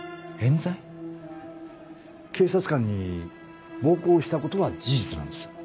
警察官に暴行したことは事実なんです。